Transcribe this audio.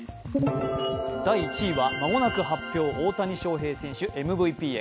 第１位は間もなく発表、大谷翔平選手ＭＶＰへ。